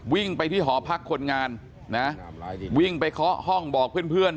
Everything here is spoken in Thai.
วิ่งไปที่หอพักคนงานนะวิ่งไปเคาะห้องบอกเพื่อน